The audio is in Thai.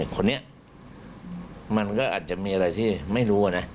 คนนี้มันก็อาจจะมีอะไรที่ไม่รู้นะ